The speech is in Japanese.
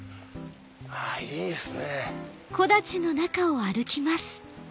いいっすね！